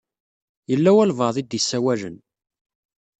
Yella walebɛaḍ i d-isawalen.